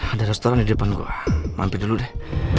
ada restoran di depan gue mampir dulu deh